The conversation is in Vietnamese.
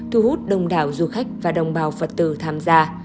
thu hút đông đảo du khách và đồng bào phật tử tham gia